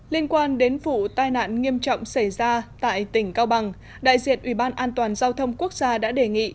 liên quan đến vụ tai nạn nghiêm trọng xảy ra tại tỉnh cao bằng đại diện ủy ban an toàn giao thông quốc gia đã đề nghị